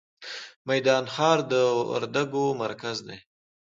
د میدان ښار د وردګو مرکز دی